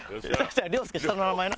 亮介下の名前な。